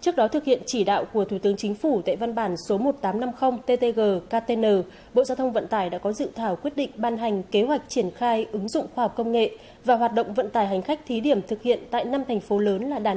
trước đó thực hiện chỉ đạo của thủ tướng chính phủ tại văn bản số một nghìn tám trăm năm mươi ttg ktn bộ giao thông vận tải đã có dự thảo quyết định ban hành kế hoạch triển khai ứng dụng khoa học công nghệ và hoạt động vận tải hành khách thí điểm thực hiện tại năm thành phố lớn là đà nẵng cần thơ hà nội hải phòng và tp hcm